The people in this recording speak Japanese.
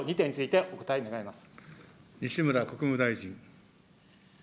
以上、西村国務大臣。